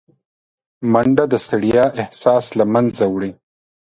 منډه د ستړیا احساس له منځه وړي